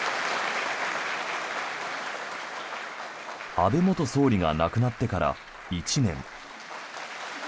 安倍元総理が亡くなってから１年。